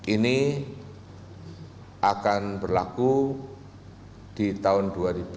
ini akan berlaku di tahun dua ribu dua puluh